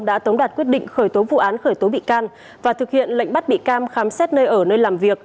đã tống đạt quyết định khởi tố vụ án khởi tố bị can và thực hiện lệnh bắt bị can khám xét nơi ở nơi làm việc